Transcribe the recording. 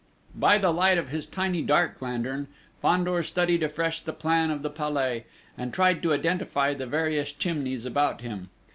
By the light of his tiny dark lantern Fandor studied afresh the plan of the Palais, and tried to identify the various chimneys about him.